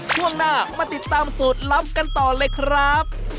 ช่วงหน้ามาติดตามสูตรลับกันต่อเลยครับ